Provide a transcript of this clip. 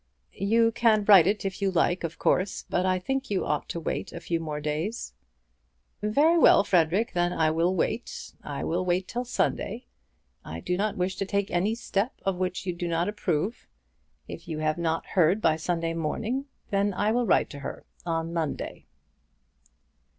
"You can write if you like it, of course; but I think you ought to wait a few more days." "Very well, Frederic; then I will wait. I will wait till Sunday. I do not wish to take any step of which you do not approve. If you have not heard by Sunday morning, then I will write to her on Monday."